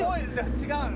違う。